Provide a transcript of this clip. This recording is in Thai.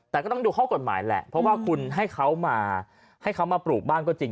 แต่ก็ต้องดูข้อกฎหมายแหละเพราะว่าคุณให้เขามาให้เขามาปลูกบ้านก็จริง